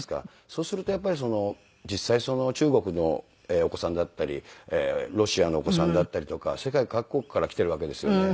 そうするとやっぱり実際中国のお子さんだったりロシアのお子さんだったりとか世界各国から来ているわけですよね。